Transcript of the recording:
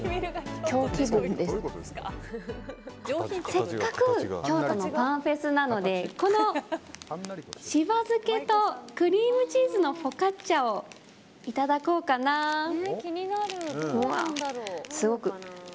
せっかく京都のパンフェスなのでこのしば漬けとクリームチーズのフォカッチャをいただこうかなと。